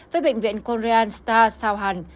với bệnh viện korean star sao hàn